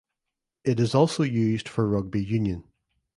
It is also used for rugby union.